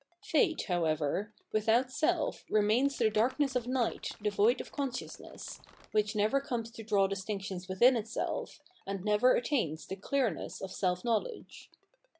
Fate, however, without self remains the darkness of night devoid of consciousness, which never comes to draw distinctions within itseh, and never attains the clear ness of self knowledge.